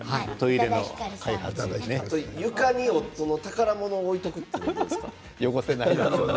床に夫の宝物を置いておくのはどうですか？